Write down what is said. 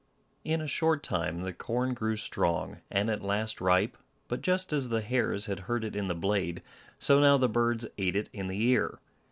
In a short time the corn grew strong, and at last ripe but, just as the hares had hurt it in the blade, so now the birds ate it in the ear.